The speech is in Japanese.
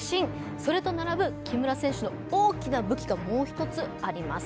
それと並ぶ木村選手の大きな武器がもう１つあります。